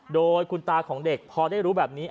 โดยคุณตาของเด็กพอได้รู้แบบนี้